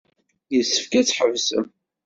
Yessefk ad t-tḥebsem.